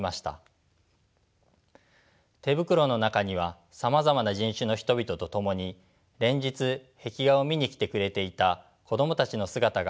手袋の中にはさまざまな人種の人々と共に連日壁画を見に来てくれていた子供たちの姿が描かれています。